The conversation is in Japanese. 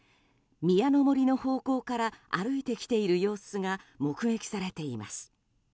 宮の森の方向から歩いてきている様子が目撃されています。